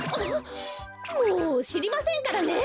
もうしりませんからね！